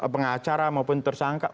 pengacara maupun tersangka